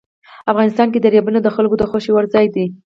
افغانستان کې دریابونه د خلکو د خوښې وړ ځای دی.